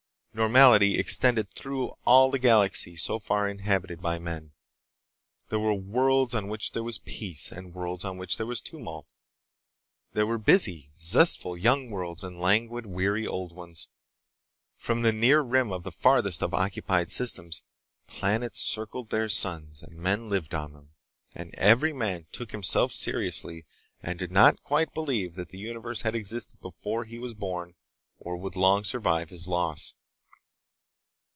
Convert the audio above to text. Normality extended through all the galaxy so far inhabited by men. There were worlds on which there was peace, and worlds on which there was tumult. There were busy, zestful young worlds, and languid, weary old ones. From the Near Rim to the farthest of occupied systems, planets circled their suns, and men lived on them, and every man took himself seriously and did not quite believe that the universe had existed before he was born or would long survive his loss.